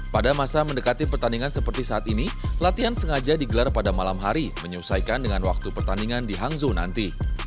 pada masa mendekati pertandingan seperti saat ini latihan sengaja digelar pada malam hari menyusuikan dengan waktu pertandingan di hangzhou nanti